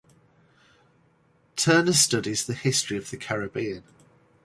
Turner studies the history of the Caribbean.